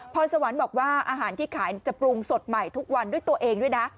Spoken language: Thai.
พรสวรรค์บอกว่าอาหารที่ขายจะปรุงสดใหม่ทุกวันด้วยตัวเองด้วยนะ